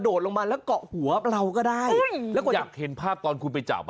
โอ้โฮคอแหบคอแห้เหมือนกัน